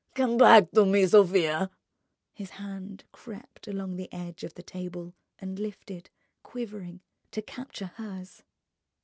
"Come back to me, Sofia!" His hand crept along the edge of the table and lifted, quivering, to capture hers.